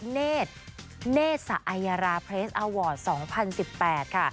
เนศเนศสาอยราพเลสอวอร์ด๒๐๑๘ค่ะ